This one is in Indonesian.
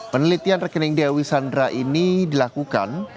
penelitian rekening dewi sandra ini dilakukan